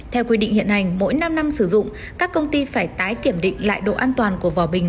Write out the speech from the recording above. theo quy định hiện hành mỗi năm năm sử dụng các công ty phải tái kiểm định lại độ an toàn của vỏ bình